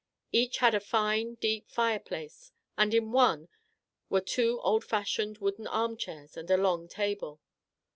Each had a fine, deep fire place, and in one were two old fashioned wooden armchairs and a long table.